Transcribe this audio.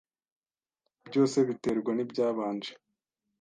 byose biterwa n’ibyabanje